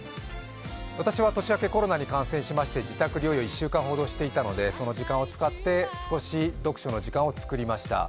私は年明け、コロナに感染しまして自宅療養１週間ほどしていたのでその時間を使って、少し読書の時間を作りました。